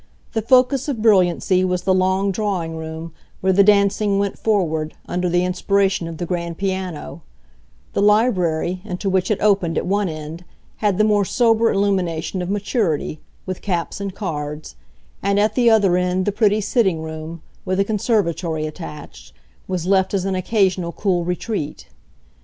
The focus of brilliancy was the long drawing room, where the dancing went forward, under the inspiration of the grand piano; the library, into which it opened at one end, had the more sober illumination of maturity, with caps and cards; and at the other end the pretty sitting room, with a conservatory attached, was left as an occasional cool retreat.